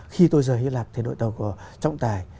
khi tôi rời hy lạp thì đội tàu của trọng tài